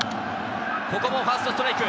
ここもファーストストライク。